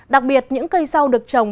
đặc biệt những cây rau được trồng